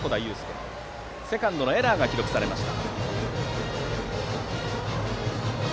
先程のプレーはセカンドのエラーが記録されました。